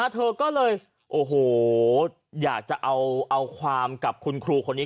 เธอก็เลยโอ้โหอยากจะเอาความกับคุณครูคนนี้